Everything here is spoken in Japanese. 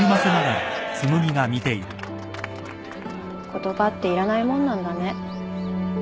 言葉っていらないもんなんだね。